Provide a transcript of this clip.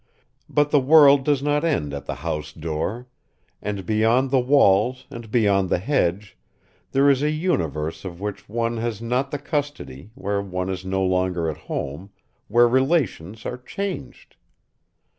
But the world does not end at the house door, and, beyond the walls and beyond the hedge, there is a universe of which one has not the custody, where one is no longer at home, where relations are changed.